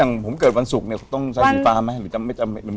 อย่างผมเกิดวันสุขเนี่ยต้องใช้สีฟ้าไหมมันไม่จำเป็น